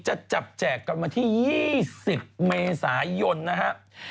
จะจับแจกกันวันที่๒๐เมษายนนะครับ